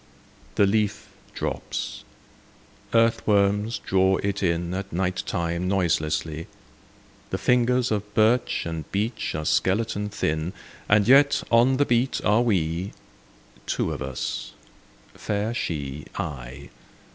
The leaf drops: earthworms draw it in At night time noiselessly, The fingers of birch and beech are skeleton thin, And yet on the beat are we,— Two of us; fair She, I.